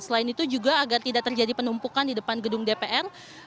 selain itu juga agar tidak terjadi penumpukan di depan gedung dpr